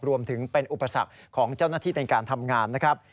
รวมถึงเป็นอุปสรรคของเจ้าหน้าที่ในการทำงานนะครับ